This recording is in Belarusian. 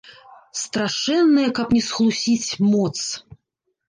Страшэнная, каб не схлусіць, моц!